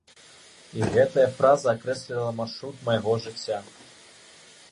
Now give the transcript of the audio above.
І гэтая фраза акрэсліла маршрут майго жыцця.